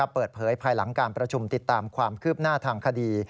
เปิดเผยภายหลังการประชุมติดตามความคืบหน้าทางคดี